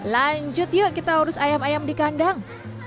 lanjut yuk kita urus ayam ayam di kandang